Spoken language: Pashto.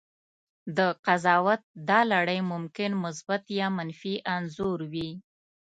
د قضاوت دا لړۍ ممکن مثبت یا منفي انځور وي.